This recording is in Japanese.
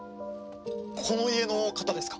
この家の方ですか？